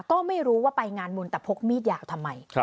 ก็ไม่รู้ว่าไปงานบุญแต่พกมีดยาวทำไม